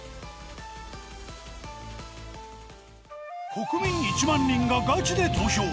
国民１万人がガチで投票！